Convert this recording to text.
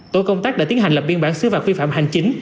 tổ công tác đã tiến hành lập biên bản sứ vạc vi phạm hành chính